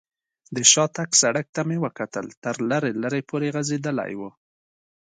د شاتګ سړک ته مې وکتل، تر لرې لرې پورې غځېدلی و.